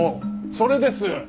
それです！